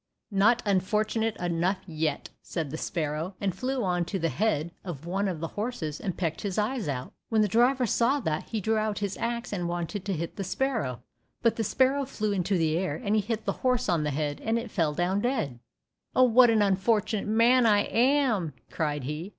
"Not unfortunate enough yet," said the sparrow, and flew on to the head of one of the horses and pecked his eyes out. When the driver saw that, he drew out his axe and wanted to hit the sparrow, but the sparrow flew into the air, and he hit his horse on the head, and it fell down dead. "Oh, what an unfortunate man I am," cried he.